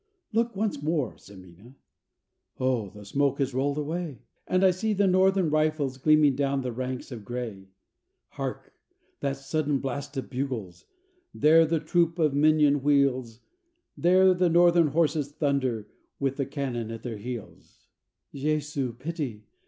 Look forth once more, Ximena! "Oh! the smoke has rolled away; And I see the Northern rifles gleaming down the ranks of gray. Hark! that sudden blast of bugles! there the troop of Minon wheels, There the Northern horses thunder, with the cannon at their heels. "Jesu, pity!